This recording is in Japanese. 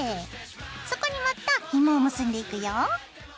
そこにまたひもを結んでいくよ。